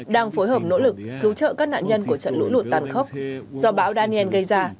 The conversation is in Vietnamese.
đang phối hợp nỗ lực cứu trợ các nạn nhân của trận lũ lụt tàn khốc do bão daniel gây ra